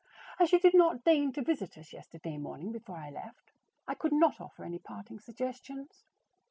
As you did not deign to visit us yesterday morning before I left, I could not offer any parting suggestions.